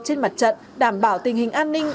trên mặt trận đảm bảo tình hình an ninh